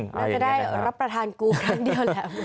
น่าจะได้รับประทานกูครั้งเดียวแหละ